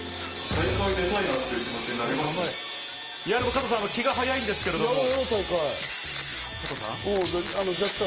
加藤さん、気が早いんですけれども。